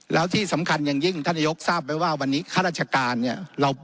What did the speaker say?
แล้วที่สำคัญอย่างยิ่งท่านนายกทราบไหมว่าวันนี้ข้าราชการเนี่ย